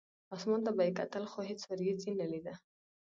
اسمان ته به یې کتل، خو هېڅ ورېځ یې نه لیده.